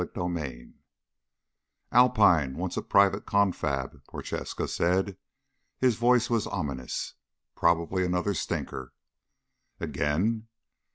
CHAPTER 5 "Alpine wants a private confab," Prochaska said. His voice was ominous. "Probably another stinker." "Again?"